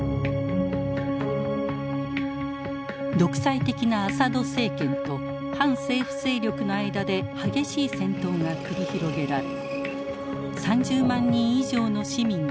独裁的なアサド政権と反政府勢力の間で激しい戦闘が繰り広げられ３０万人以上の市民が死亡。